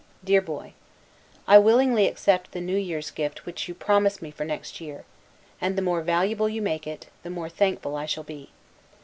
DEAR BOY: I willingly accept the new year's gift which you promise me for next year; and the more valuable you make it, the more thankful I shall be.